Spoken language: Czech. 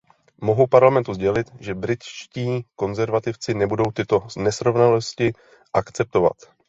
Mohu Parlamentu sdělit, že britští konzervativci nebudou tyto nesrovnalosti akceptovat.